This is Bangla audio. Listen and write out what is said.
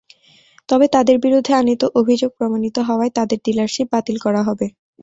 তবে তাঁদের বিরুদ্ধে আনীত অভিযোগ প্রমাণিত হওয়ায় তাঁদের ডিলারশিপ বাতিল করা হবে।